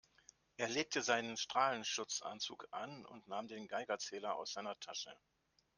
Er legte seinen Strahlenschutzanzug an und nahm den Geigerzähler aus seiner Tasche.